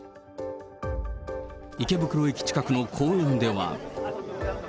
池袋駅近くの公園では。